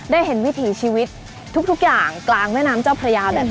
ได้เห็นวิถีชีวิตทุกอย่างกลางแม่น้ำเจ้าพระยาแบบนี้